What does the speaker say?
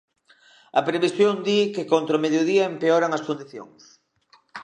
A previsión di que contra o mediodía empeoran as condicións.